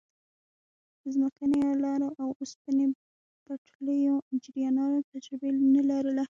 د ځمکنیو لارو او اوسپنې پټلیو انجنیرانو تجربه نه لرله.